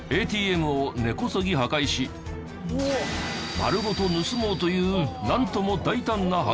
ＡＴＭを根こそぎ破壊し丸ごと盗もうというなんとも大胆な犯行。